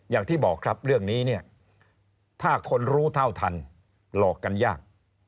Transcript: อย่างที่บอกครับเรื่องนี้เนี่ยถ้าคนรู้เท่าทันหลอกกันยาก